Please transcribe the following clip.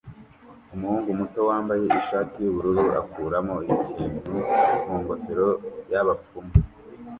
umuhungu muto wambaye ishati yubururu akuramo ikintu mu ngofero yabapfumu